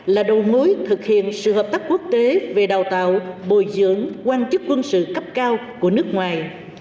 là đầu mối thực hiện sự hợp tác quốc tế về đào tạo bồi dưỡng quan chức quân sự cấp cao của nước ngoài